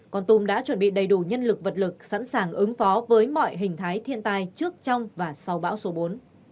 con tum đã chuẩn bị đầy đủ nhân lực vật lực sẵn sàng ứng phó với mọi hình thái thiên tai trước trong và sau bão số bốn